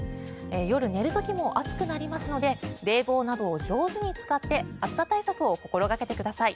夜寝る時も暑くなりますので冷房などを上手に使って暑さ対策を心掛けてください。